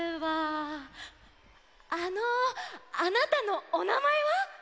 あのあなたのおなまえは？